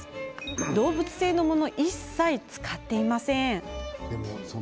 動物性のものは一切使っていません。